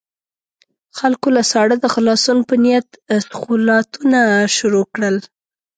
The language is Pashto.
خلکو له ساړه د خلاصون په نيت اسخولاتونه شروع کړل.